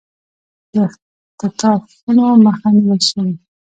د اختطافونو مخه نیول شوې